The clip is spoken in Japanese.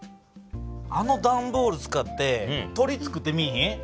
あのだんボール使って鳥つくってみいひん？